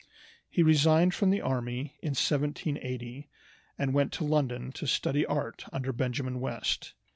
He resigned from the army in 1780 and went to London to study art under Benjamin West.